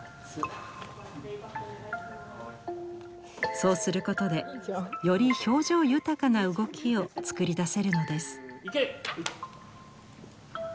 そうすることでより表情豊かな動きを作り出せるのです。